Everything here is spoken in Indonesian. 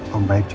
ini apa itu